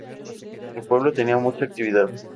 El pueblo tenía mucha actividad.